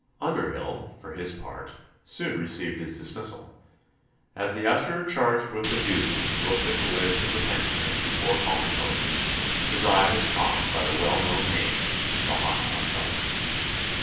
Underhyll, for his part, soon received his dismissal. As the usher charged with the duty looked at the list of the pensioners before calling them over, his eye was caught by the well known name of the Hot Gospeller.